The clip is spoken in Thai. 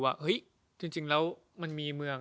ว่าเฮ้ยจริงแล้วมันมีเมือง